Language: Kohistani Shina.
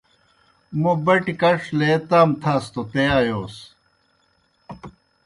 موں بَٹیْ کڇ لے تام تھاس توْ تے آیوس۔